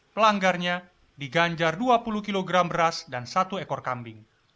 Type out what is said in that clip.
pelanggarnya diganjar dua puluh kg beras dan satu ekor kambing